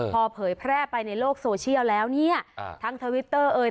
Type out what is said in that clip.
พอเผยแพร่ไปในโลกโซเชียลแล้วเนี่ยทั้งทวิตเตอร์เอ่ย